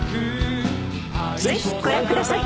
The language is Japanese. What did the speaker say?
ぜひご覧ください。